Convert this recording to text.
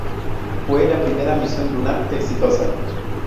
Fue la primera misión lunar exitosa.